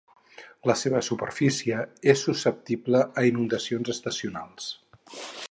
La seva superfície és susceptible a inundacions estacionals.